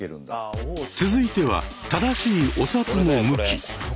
続いては正しいお札の向き。